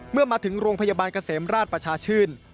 เมื่อมาถึงโรงพยาบาลเกษมราชประชาชื่น